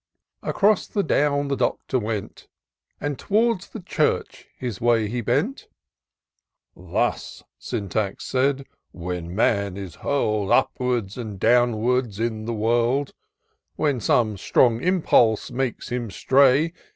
Across the Down the Doctor went, And towards the church his way he bent. " Thus," Syntax said, " when man is hurl'd Upwards and downwards in the world; When some strong impulse makes him stray.